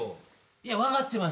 いや分かってます